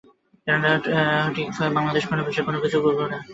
কেননা, টিকফায় বাংলাদেশ কোনো বিষয়ে কোনো কিছু করে দেওয়ার কোনো প্রতিশ্রুতি দেয়নি।